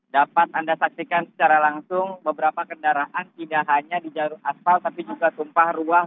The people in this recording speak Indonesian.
dapat anda saksikan secara langsung beberapa kendaraan tidak hanya di jalur aspal tapi juga tumpah ruang